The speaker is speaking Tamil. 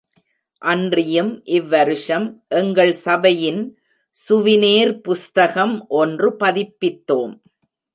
அன்றியும் இவ்வருஷம் எங்கள் சபையின் சுவிநேர் புஸ்தகம் ஒன்று பதிப்பித்தோம்.